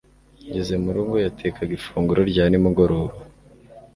Ngeze mu rugo yatekaga ifunguro rya nimugoroba